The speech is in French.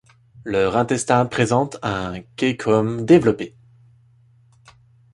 Leur intestin présente un cæcum développé.